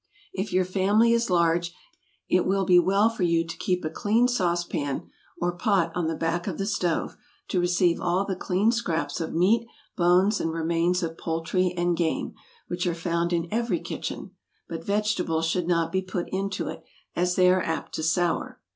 If your family is large, it will be well for you to keep a clean saucepan, or pot on the back of the stove to receive all the clean scraps of meat, bones, and remains of poultry and game, which are found in every kitchen; but vegetables should not be put into it, as they are apt to sour.